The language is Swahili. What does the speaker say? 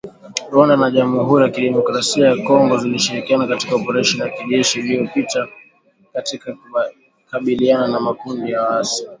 Rwanda na Jamhuri ya kidemokrasia ya Kongo zilishirikiana katika oparesheni ya kijeshi iliyopita katika kukabiliana na makundi ya waasi